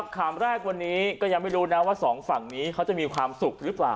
คำแรกวันนี้ก็ยังไม่รู้นะว่าสองฝั่งนี้เขาจะมีความสุขหรือเปล่า